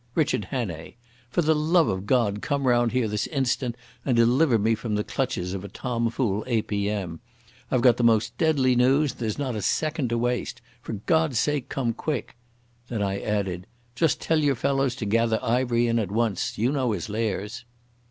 Richard Hannay! For the love of God come round here this instant and deliver me from the clutches of a tomfool A.P.M. I've got the most deadly news. There's not a second to waste. For God's sake come quick!" Then I added: "Just tell your fellows to gather Ivery in at once. You know his lairs."